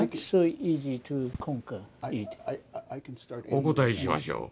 お答えしましょう。